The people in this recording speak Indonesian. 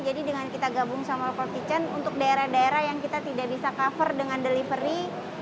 jadi dengan kita gabung sama cloud kitchen untuk daerah daerah yang kita tidak bisa cover dengan delivery